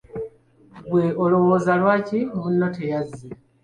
Ggwe olowooza lwaki munno teyazze?